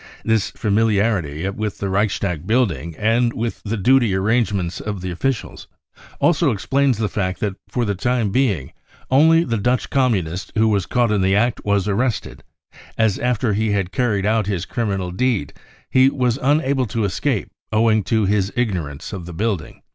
This famili arity with the Reichstag building and with the duty arrangements of the officials also explains the fact that for the time being only the Dutch Communist who was caught in the act was arrested, as after he had carried out hfs criminal deed he was unable to escape owing to his ignorance of the building.